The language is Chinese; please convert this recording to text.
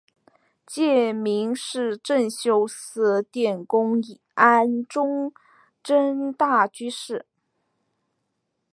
戒名是政秀寺殿功庵宗忠大居士。